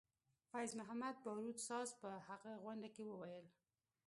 فیض محمدباروت ساز په هغه غونډه کې وویل.